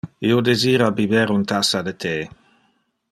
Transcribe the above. Io desira biber un tassa de the.